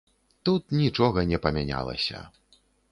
Тут нічога не памянялася.